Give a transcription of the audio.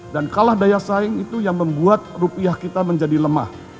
dan kalah daya saing itu yang membuat rupiah kita menjadi lemah